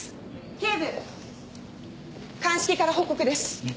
警部鑑識から報告です。